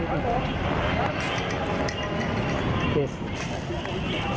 เพราะตอนนี้ก็ไม่มีเวลาให้เข้าไปที่นี่